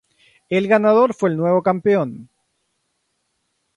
El ganador fue el nuevo campeón.